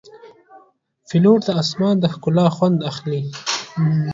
پیلوټ د آسمان د ښکلا خوند اخلي.